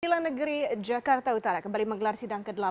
pilihan negeri jakarta utara kembali menggelar sidang ke delapan